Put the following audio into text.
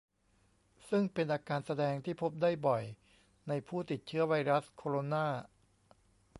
ซึ่งเป็นอาการแสดงที่พบได้บ่อยในผู้ติดเชื้อไวรัสโคโรนา